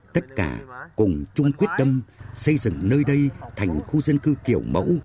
tất cả cùng chung quyết tâm xây dựng nơi đây thành khu dân cư kiểu mẫu